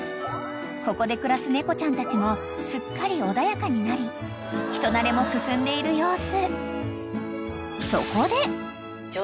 ここで暮らす猫ちゃんたちもすっかり穏やかになり人なれも進んでいる様子］